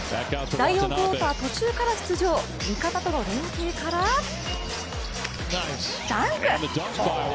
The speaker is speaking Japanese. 第４クオーター途中から出場、味方との連係からダンク。